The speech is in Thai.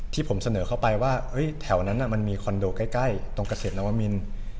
ที่ผมเสนอเข้าไปว่าแถวนั้นมันมีคอนโดใกล้ตรงเกษตรนวมิน